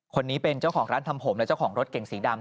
คนนี้เป็นเจ้าของร้านทำผมและเจ้าของรถเก่งสีดำ